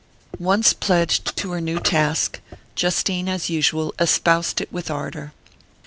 Once pledged to her new task, Justine, as usual, espoused it with ardour.